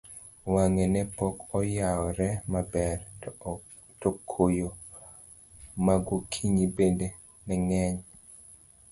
wang'e ne pok oyawre maber, to koyo ma gokinyi bende ne ng'eny